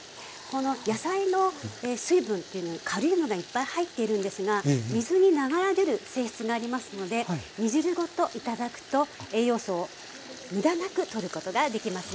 この野菜の水分というのはカリウムがいっぱい入っているんですが水に流れ出る性質がありますので煮汁ごと頂くと栄養素を無駄なくとることができますね。